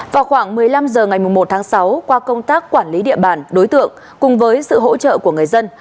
vào khoảng một mươi năm h ngày một tháng sáu qua công tác quản lý địa bàn đối tượng cùng với sự hỗ trợ của người dân